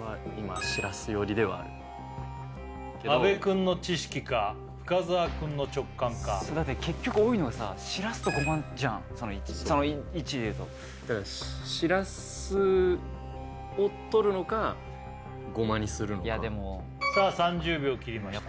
俺は今しらす寄りではあるけど阿部くんの知識か深澤くんの直感かだって結局多いのはさしらすとごまじゃんそのいちでいうとだからしらすを取るのかごまにするのかいやでもさあ３０秒切りました